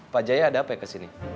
pak jaya ada apa ya kesini